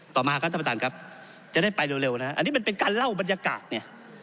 ต่อมาครับสัมปัตตาลครับจะได้ไปเร็วนะอันนี้เป็นการเล่าบรรยากาศเนี่ย